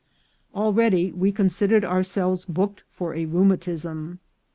Already we considered ourselves booked for a rheuma tism.